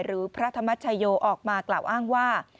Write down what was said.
หรือพระธรรมชโยออกมากล่าวอ้างว่า